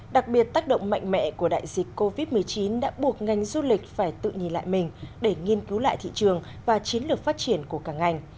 đặc biệt tác động mạnh mẽ của đại dịch covid một mươi chín đã buộc ngành du lịch phải tự nhìn lại mình để nghiên cứu lại thị trường và chiến lược phát triển của cả ngành